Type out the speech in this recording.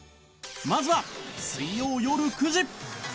まずは水曜よる９時。